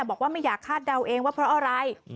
บอกว่าไม่อยากคาดเดาเองว่าเพราะอะไร